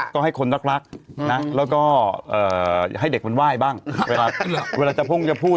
ก็ให้คนรักนะแล้วก็ให้เด็กมันไหว้บ้างเวลาจะพ่งจะพูด